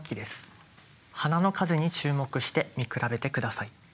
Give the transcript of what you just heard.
花の数に注目して見比べて下さい。